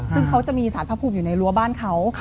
ซึ่งเขาจะมีสารพระภูมิอยู่ในรั้วบ้านเขา